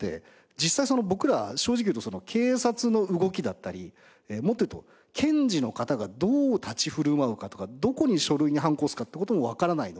実際僕ら正直言うと警察の動きだったりもっと言うと検事の方がどう立ち振る舞うかとかどこに書類にはんこ押すかって事もわからないので。